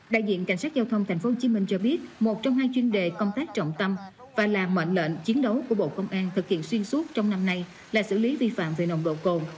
đại diện cảnh sát giao thông tp hcm cho biết một trong hai chuyên đề công tác trọng tâm và là mệnh lệnh chiến đấu của bộ công an thực hiện xuyên suốt trong năm nay là xử lý vi phạm về nồng độ cồn